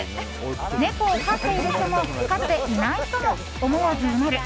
猫を飼っている人も飼っていない人も思わずうなる